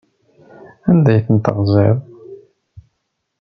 Anda ay ten-teɣziḍ?